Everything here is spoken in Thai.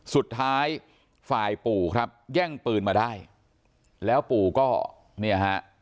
สุดท้ายฝ่ายปู่ครับแย่งปืนมาได้แล้วปู่ก็เนี่ยฮะ